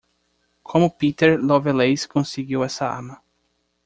Como Peter Lovelace conseguiu essa arma?